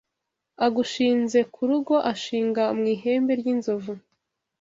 Agushinze ku rugo ashinga mu ihembe ry’inzovu